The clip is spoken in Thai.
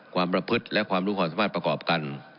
ความประพฤติและความรู้ความสามารถประกอบกัน